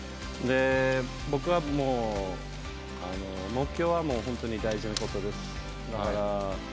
僕はもう、目標はもう本当に大事なことです。